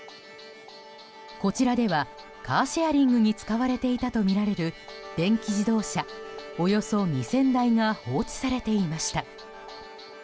こちらではカーシェアリングに使われていたとみられる電気自動車およそ２０００台が放置されていました。